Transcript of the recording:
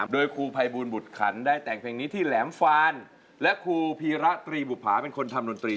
โดยครูภัยบูลบุตรขันได้แต่งเพลงนี้ที่แหลมฟานและครูพีระตรีบุภาเป็นคนทำดนตรี